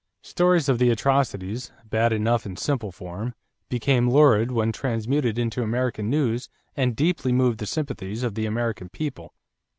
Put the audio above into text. Stories of the atrocities, bad enough in simple form, became lurid when transmuted into American news and deeply moved the sympathies of the American people.